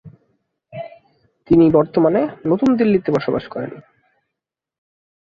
তিনি বর্তমানে নতুন দিল্লিতে বসবাস করেন।